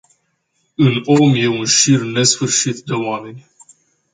În om e un șir nesfârșit de oameni.